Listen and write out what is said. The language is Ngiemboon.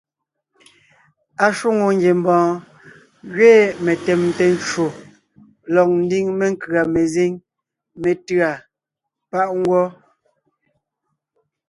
Ashwòŋo ngiembɔɔn gẅiin metèmte ncwò lɔg ńdiŋ menkʉ̀a mezíŋ métʉ̂a páʼ ngwɔ́.